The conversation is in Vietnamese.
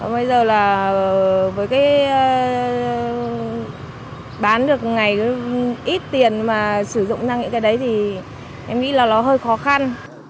bây giờ là với cái bán được ngày ít tiền mà sử dụng sang những cái đấy thì em nghĩ là nó hơi khó khăn